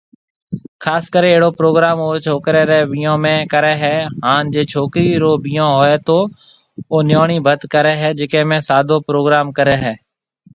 خاص ڪري اهڙو پروگرام او ڇوڪري ري بيھون۾ ڪري هي هان جي ڇوڪرِي رو بيھونهوئي تو او نيوڻي ڀت ڪري هي جڪي ۾ سادو پروگرام ڪري هي